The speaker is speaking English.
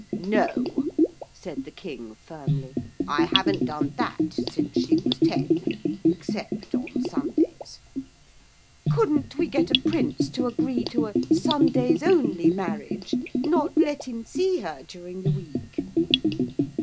'No,' said the King firmly, 'I haven't done that since she was ten, except on Sundays.' 'Couldn't we get a prince to agree to a "Sundays only" marriage not let him see her during the week?'